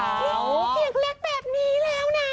อย่างเล็กแบบนี้แล้วนะ